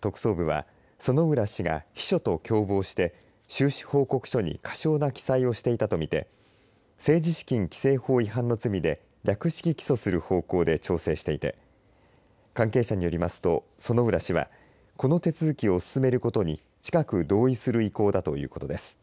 特捜部は薗浦氏が秘書と共謀して収支報告書に過少な記載をしていたとみて政治資金規正法違反の罪で略式起訴する方向で調整していて関係者によりますと薗浦氏はこの手続きを進めることに近く同意する意向だということです。